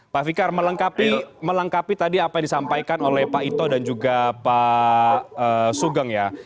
pak fikar melengkapi tadi apa yang disampaikan oleh pak ito dan juga pak sugeng ya